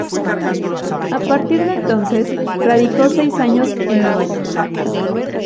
A partir de entonces radicó seis años en Nueva York.